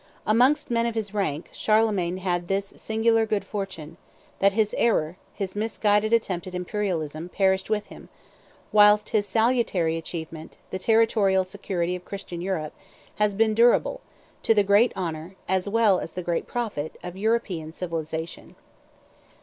Amongst men of his rank, Charlemagne has had this singular good fortune, that his error, his misguided attempt at imperialism, perished with him, whilst his salutary achievement, the territorial security of Christian Europe, has been durable, to the great honor, as well as great profit, of European civilization.